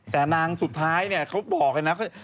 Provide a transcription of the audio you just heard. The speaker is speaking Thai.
แต่นางสุดท้ายเนี่ยเขาบอกอย่างนั้น